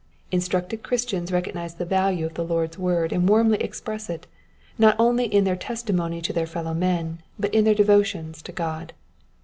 Instructed Christians recognize the value of the Lord's word, and warmly express it, not only in their testimony to their fellow men, but in their devotions to God.